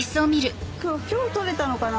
今日取れたのかな？